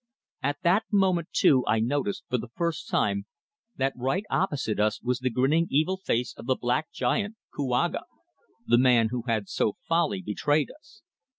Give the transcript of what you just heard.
At that moment, too, I noticed, for the first time, that right opposite us was the grinning, evil face of the black giant, Kouaga, the man who had so foully betrayed us.